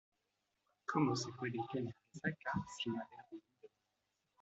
¿Cómo se puede tener resaca sin haber bebido?